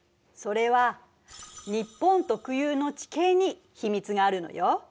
それは日本特有の地形に秘密があるのよ。